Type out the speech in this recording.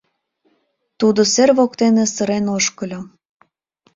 Тудо сер воктене сырен ошкыльо.